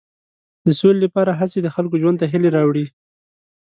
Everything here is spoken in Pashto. د سولې لپاره هڅې د خلکو ژوند ته هیلې راوړي.